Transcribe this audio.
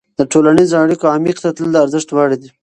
د ټولنیزو اړیکو عمیق ته تلل د ارزښت وړ دي.